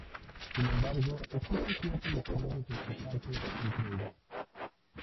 Sin embargo, existen ciertas diferencias importantes entre ellos.